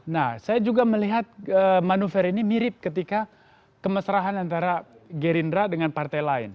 nah saya juga melihat manuver ini mirip ketika kemesraan antara gerindra dengan partai lain